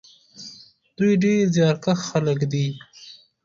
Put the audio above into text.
دوی ډېر زیارکښ خلک دي.